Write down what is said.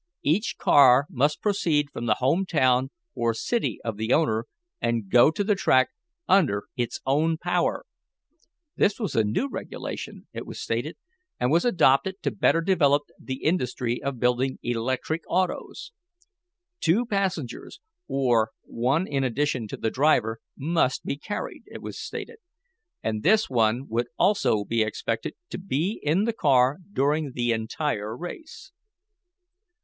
Each car must proceed from the home town or city of the owner, and go to the track under its own power. This was a new regulation, it was stated, and was adopted to better develop the industry of building electric autos. Two passengers, or one in addition to the driver, must be carried, it was stated, and this one would also be expected to be in the car during the entire race.